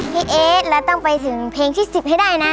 พี่เอสแล้วต้องไปถึงเพลงที่สิบให้ได้นะ